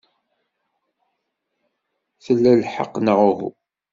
Tla lḥeqq, neɣ uhu?